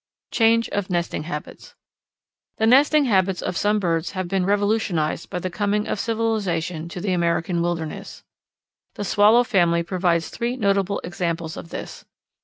Change of Nesting Habits. The nesting habits of some birds have been revolutionized by the coming of civilization to the American wilderness. The Swallow family provides three notable examples of this.